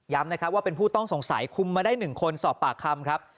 นะครับว่าเป็นผู้ต้องสงสัยคุมมาได้๑คนสอบปากคำครับ